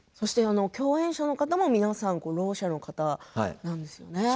共演者の方も皆さん、ろう者の方なんですよね。